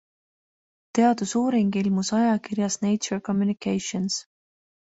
Teadusuuring ilmus ajakirjas Nature Communications.